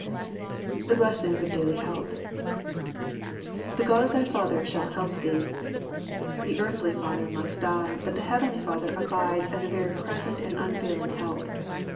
The Blessings of Daily Help. — "The God of thy father shall help thee." The earthly father must die ; but the Heavenly Father abides as a very present and unfailing help.